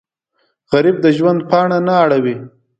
غریب د ژوند پاڼه نه اړوي